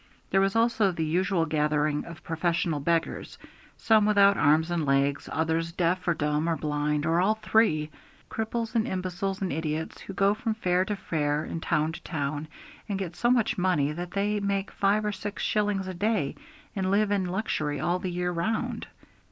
There was also the usual gathering of professional beggars, some without arms and legs, others deaf, or dumb, or blind, or all three; cripples and imbeciles and idiots, who go from fair to fair and town to town, and get so much money that they make five or six shillings a day, and live in luxury all the year round.